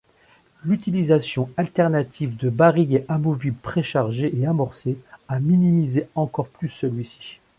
L'utilisation alternative de barillets amovibles préchargés et amorcés, a minimisé encore plus celui-ci.